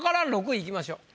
６位いきましょう。